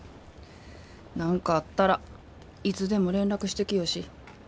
何かあったらいつでも連絡してきよし。